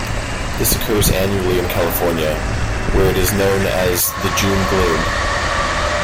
This occurs annually in California where it is known as the June gloom.